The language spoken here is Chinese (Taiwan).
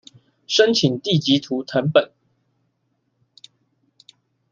申請地籍圖謄本